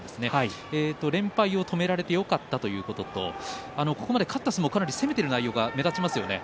連敗を止められてよかったということと、ここまで勝った相撲かなり攻めた相撲が目立ちますよね。